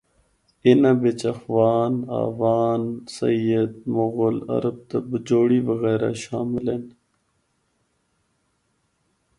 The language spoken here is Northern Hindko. اِناں بچ افغان، آوان، سید، مغل، عرب تے بجوڑی وغیرہ شامل ہن۔